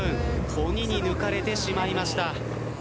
鬼に抜かれてしまいました。